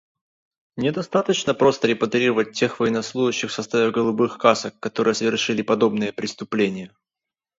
Недостаточно просто репатриировать тех военнослужащих в составе «голубых касок», которые совершили подобные преступления.